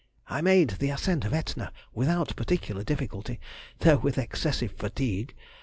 I made the ascent of Etna without particular difficulty, though with excessive fatigue.